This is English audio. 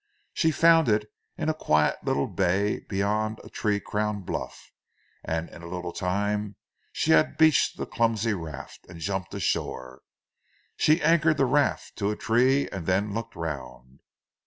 She found it in a quiet little bay beyond a tree crowned bluff, and in a little time she had beached the clumsy craft, and jumped ashore. She anchored the raft to a tree, and then looked around.